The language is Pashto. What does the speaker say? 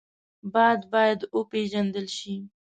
باد باید وپېژندل شي